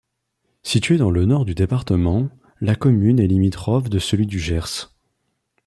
Située dans le nord du département, la commune est limitrophe de celui du Gers.